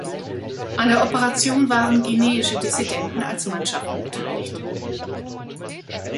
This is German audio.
An der Operation waren guineische Dissidenten als Mannschaften beteiligt.